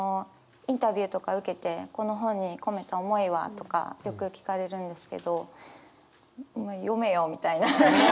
インタビューとか受けて「この本に込めた思いは？」とかよく聞かれるんですけど読めよみたいな。